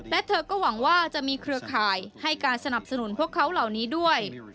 และเธอก็หวังว่าจะมีเครือข่ายให้การสนับสนุนพวกเขาเหล่านี้ด้วย